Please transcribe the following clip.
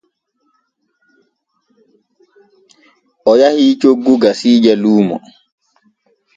O yahi coggu gasiije luumo.